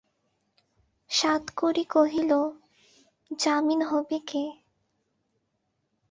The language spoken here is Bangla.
সাতকড়ি কহিল, জামিন হবে কে?